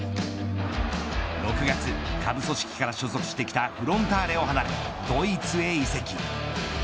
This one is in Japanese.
６月、下部組織から所属してきたフロンターレを離れドイツへ移籍。